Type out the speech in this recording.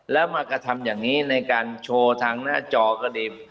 แล้วมากระทำอย่างนี้ในการโชว์ทางหน้าจอก็ดี